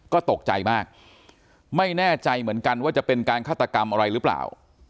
ก็ตกใจมากไม่แน่ใจเหมือนกันว่าจะเป็นการฆาตกรรมอะไรหรือเปล่า